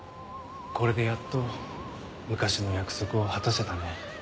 これでやっと昔の約束を果たせたね。